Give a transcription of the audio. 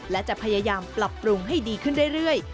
และจะพยายามปรับปรุงให้ดีขึ้นเรื่อย